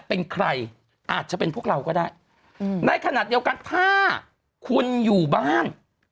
เป็นใครอาจจะเป็นพวกเราก็ได้ในขณะเดียวกันถ้าคุณอยู่บ้าน